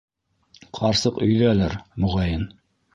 Ҡарсыҡ өйҙәлер, моғайын...